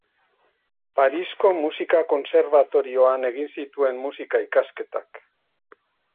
Parisko Musika Kontserbatorioan egin zituen musika-ikasketak.